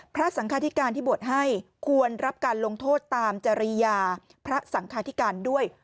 พระสังคาธิการที่บวชให้ควรรับการลงโทษตามจริยาพระสังคาธิการด้วย